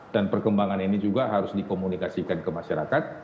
dan perkembangan ini juga harus dikomunikasikan ke masyarakat